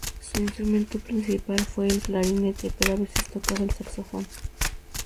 Su instrumento principal fue el clarinete pero a veces tocaba el saxofón.